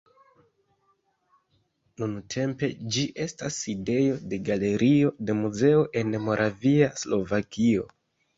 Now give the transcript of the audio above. Nuntempe ĝi estas sidejo de Galerio de muzeo en Moravia Slovakio.